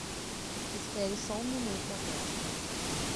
Espere só um minuto agora.